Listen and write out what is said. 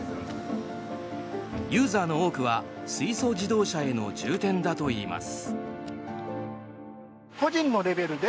ユーザーの多くは水素自動車への充てんだといいます。